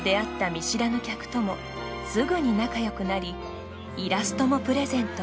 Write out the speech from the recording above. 見知らぬ客ともすぐに仲よくなりイラストもプレゼント。